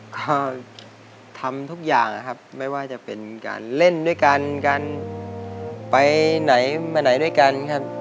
ก็ทำทุกอย่างนะครับไม่ว่าจะเป็นการเล่นด้วยกันการไปไหนมาไหนด้วยกันครับ